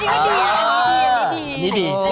อันนี้ก็ดี